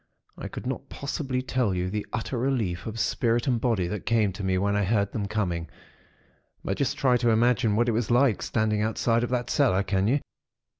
I could not possibly tell you the utter relief of spirit and body that came to me, when I heard them coming; but just try to imagine what it was like, standing outside of that cellar. Can you?